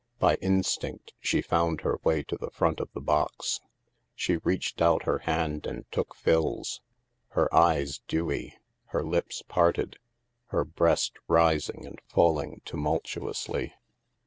By instinct she found her way to the front of the box. She reached out her hand and took Phil's, her eyes HAVEN 315 dewy, her lips parted, her breast rising and falling tumultuously.